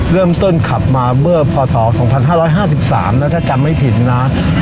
เริ่มต้นขับมาเมื่อพศ๒๕๕๓แล้วถ้าจำไม่ผิดนะ